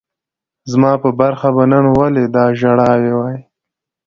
زما په برخه به نن ولي دا ژړاوای